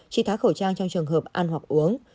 chỉ thá khẩu trang trong trường hợp ăn hoặc uống